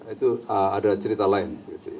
itu ada cerita lain